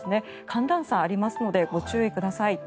寒暖差ありますのでご注意ください。